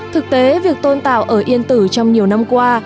thực tế việc tôn tạo ở yên tử trong nhiều năm qua